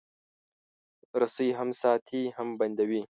رسۍ هم ساتي، هم بندوي.